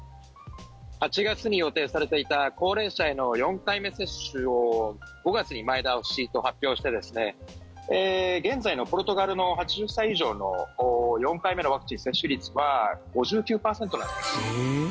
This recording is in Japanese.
８月に予定されていた高齢者への４回目接種を５月に前倒しと発表して現在のポルトガルの８０歳以上の４回目のワクチン接種率は５９％なんです。